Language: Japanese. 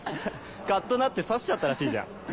カッとなって刺しちゃったらしいじゃん。